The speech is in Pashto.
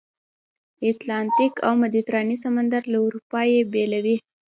اتلانتیک او مدیترانې سمندر له اروپا یې بېلوي.